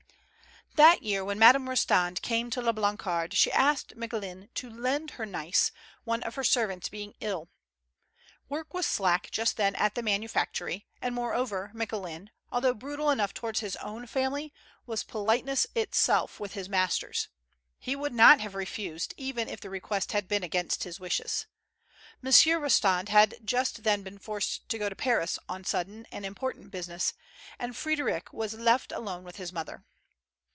That year, when Madame Eostand came to La B4an carde, she asked Micoulin to lend her Nais, one of her servants being ill. Work was slack just then at the manufactory, and, moreover, Micoulin, although brutal enough towards his own family, was politeness itself mth his masters; be would not have refused, even if the request had been against his wishes. Monsieur Eostand had just then been forced to go to Paris on sudden and important business, and Frederic was left alone with bis mother.